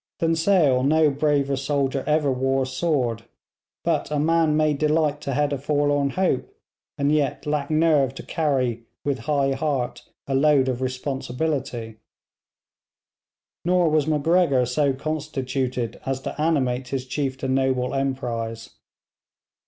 Than Sale no braver soldier ever wore sword, but a man may delight to head a forlorn hope and yet lack nerve to carry with high heart a load of responsibility; nor was Macgregor so constituted as to animate his chief to noble emprise.